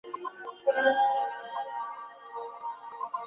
该公司有多位葡萄酒大师。